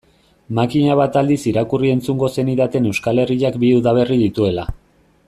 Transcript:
Makina bat aldiz irakurri-entzungo zenidaten Euskal Herriak bi udaberri dituela.